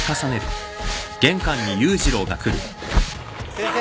先生。